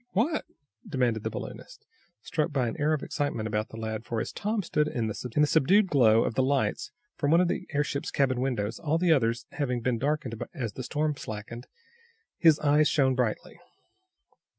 "What?" demanded the balloonist, struck by an air of excitement about the lad, for, as Tom stood in the subdued glow of the lights from one of the airship's cabin windows, all the others having been darkened as the storm slackened, his, eyes shone brightly.